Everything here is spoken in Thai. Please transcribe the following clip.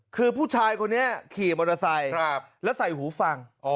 คือผู้ชายคนนี้ขี่มอเตอร์ไซค์แล้วใส่หูฟัง